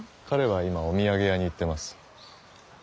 彼は今お土産屋に行ってます。